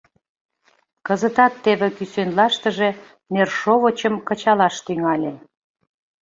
Кызытат теве кӱсенлаштыже нершовычым кычалаш тӱҥале.